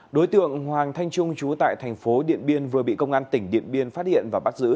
đối tượng hoàng thanh trung chú tại thành phố điện biên vừa bị công an tỉnh điện biên phát hiện và bắt giữ